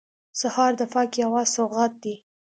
سهار د پاکې هوا سوغات دی.